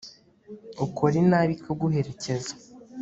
ukora inabi ikaguherekeza